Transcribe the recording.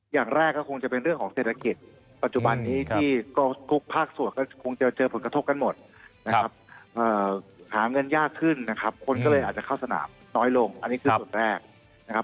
อย่างแรกก็คงจะเป็นเรื่องของเศรษฐกิจปัจจุบันนี้ที่ก็ทุกภาคส่วนก็คงจะเจอผลกระทบกันหมดนะครับหาเงินยากขึ้นนะครับคนก็เลยอาจจะเข้าสนามน้อยลงอันนี้คือส่วนแรกนะครับ